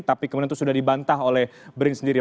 tapi kemudian itu sudah dibantah oleh brin sendiri